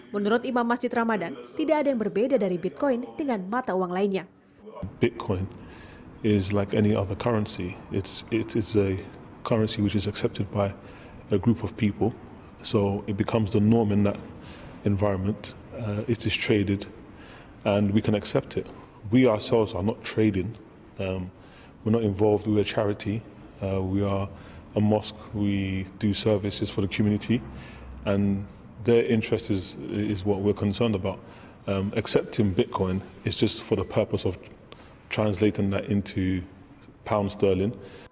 menurut imam masjid ramadan tidak ada yang berbeda dari bitcoin dengan mata uang lainnya